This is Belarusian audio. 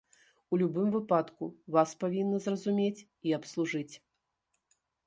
У любым выпадку, вас павінны зразумець і абслужыць.